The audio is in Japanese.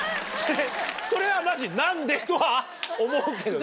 それはマジに何で？とは思うけどね。